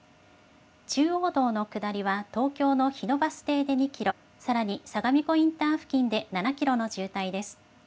中央道の下りは東京の日野バス停で２キロ、さらに相模湖インター付近で７キロの渋滞です。